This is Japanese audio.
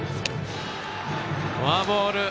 フォアボール。